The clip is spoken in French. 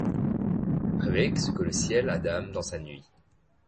Avec ce que le ciel a d’âme dans sa nuit